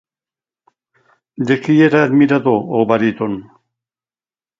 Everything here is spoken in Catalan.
De qui era admirador el baríton?